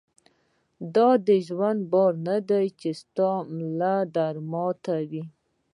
دا دژوند بار نۀ دی چې ستا ملا در ماتوي